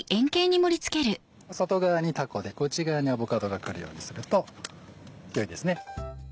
外側にたこでこっち側にアボカドがくるようにするとよいですね。